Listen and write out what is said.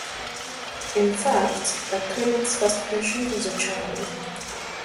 In fact, the clinic's first patient was a child.